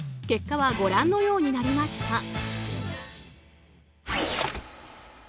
結果はご覧のようになりました。